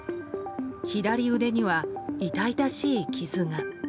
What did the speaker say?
左腕には、痛々しい傷が。